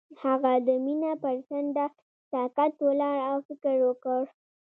هغه د مینه پر څنډه ساکت ولاړ او فکر وکړ.